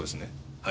はい。